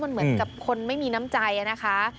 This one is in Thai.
เหมือนกับคนไม่มีน้ำใจนะคะ